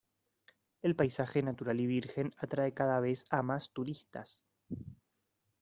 El paisaje natural y virgen atrae cada vez a más turistas.